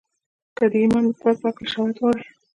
که د ايمان د قوت په هکله شواهد غواړئ.